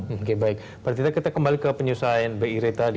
oke baik pak tirta kita kembali ke penyusahian bi reta